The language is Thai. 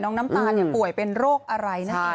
น้ำตาลป่วยเป็นโรคอะไรนะคะ